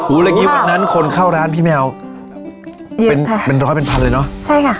แล้วอย่างงี้วันนั้นคนเข้าร้านพี่แมวเป็นเป็นร้อยเป็นพันเลยเนอะใช่ค่ะ